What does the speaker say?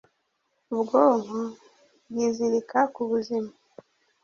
ubwonko bwizirika ku buzima